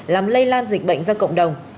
làm lây lan dịch bệnh ra cộng đồng